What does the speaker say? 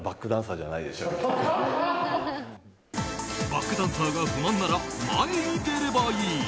バックダンサーが不満なら前に出ればいい。